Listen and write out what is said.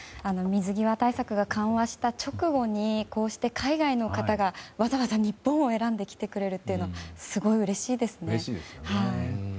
水際対策が緩和した直後にこうして、海外の方がわざわざ日本を選んで来てくれるというのはすごくうれしいですね。